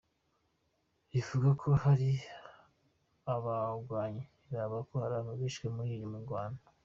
Rivuga ko hari n'abagwanyi ba Boko Haram bishwe muri iyo ngwano.